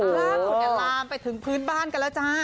ล่าสุดลามไปถึงพื้นบ้านกันแล้วจ้า